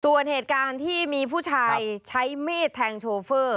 ส่วนเหตุการณ์ที่มีผู้ชายใช้มีดแทงโชเฟอร์